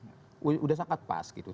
sudah sangat pas gitu